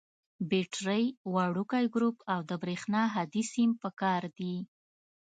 بټرۍ، وړوکی ګروپ او د برېښنا هادي سیم پکار دي.